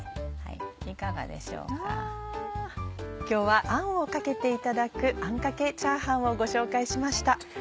今日はあんをかけていただくあんかけチャーハンをご紹介しました。